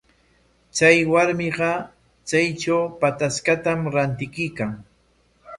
Chay warmiqa chaytraw pataskatam rantikuykan.